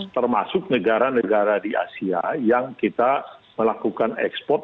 termasuk negara negara di asia yang kita melakukan ekspor